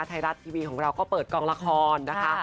ไทยรัฐทีวีของเราก็เปิดกองละครนะคะ